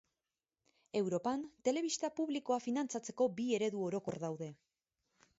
Europan telebista publikoa finantzatzeko bi eredu orokor daude.